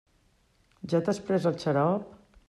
Ja t'has pres el xarop?